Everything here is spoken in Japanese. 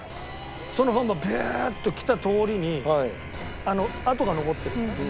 そのまんまビューッと来たとおりに跡が残ってるでしょ。